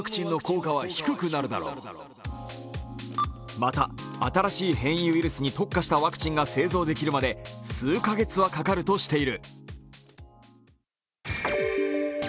また新しい変異ウイルスに特化したワクチンが製造できるまで数カ月はかかるとしている。